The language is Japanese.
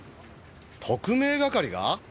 特命係が？